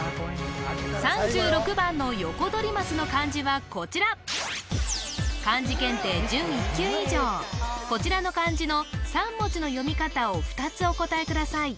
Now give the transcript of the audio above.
３６番のヨコドリマスの漢字はこちらこちらの漢字の３文字の読み方を２つお答えください